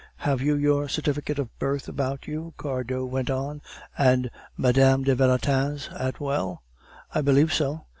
"Have you your certificate of birth about you," Cardot went on, "and Mme. de Valentin's as well?" "I believe so."